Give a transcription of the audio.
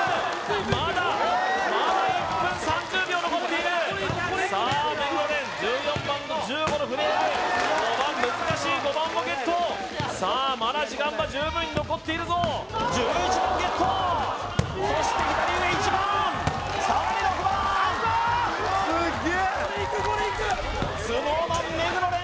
まだまだ１分３０秒残っているさあ目黒蓮１４番と１５のフレーム５番難しい５番もゲットさあまだ時間は十分に残っているぞ１１番ゲットそして左上１番さらに６番ＳｎｏｗＭａｎ目黒蓮